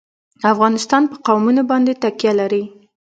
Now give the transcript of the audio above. افغانستان په قومونه باندې تکیه لري.